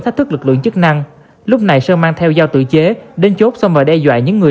thách thức lực lượng chức năng lúc này sơn mang theo dao tự chế đến chốt và đe dọa những người